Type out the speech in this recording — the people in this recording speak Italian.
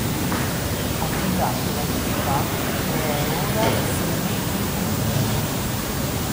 Ha fondato la città che è ora sede del Comune.